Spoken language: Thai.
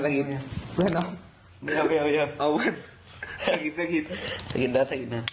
จะกินแล้วจะกินแล้ว